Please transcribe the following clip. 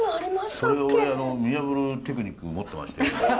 それを俺見破るテクニック持ってまして。